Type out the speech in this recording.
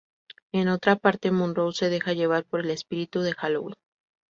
En otra parte, Monroe se deja llevar por el espíritu de Halloween.